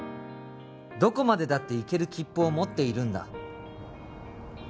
「どこまでだって行ける切符を持っているんだ」